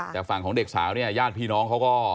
แต่ฝั่งของเด็กสาวเนี่ยญาติพี่น้องเขาก็